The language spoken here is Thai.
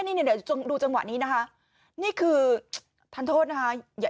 นี่เดี๋ยวดูจังหวะนี้นะคะนี่คือทานโทษนะคะ